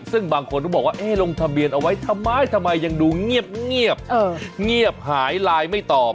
ซึ่งบางคนก็บอกว่าลงทะเบียนเอาไว้ทำไมทำไมยังดูเงียบเงียบหายไลน์ไม่ตอบ